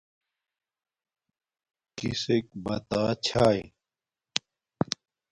کسک بتا چھاݵ